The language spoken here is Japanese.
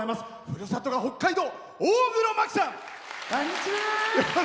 ふるさとが北海道、大黒摩季さん。